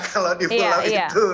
kalau di pulau itu